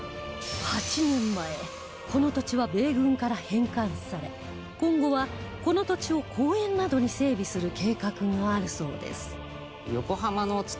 ８年前この土地は米軍から返還され今後はこの土地を公園などに整備する計画があるそうです